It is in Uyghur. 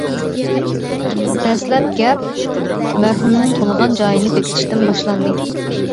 دەسلەپ گەپ مەرھۇمنىڭ تۇغۇلغان جايىنى بېكىتىشتىن باشلاندى.